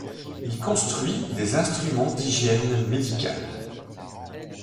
Il construit des instruments d'hygiène médicale.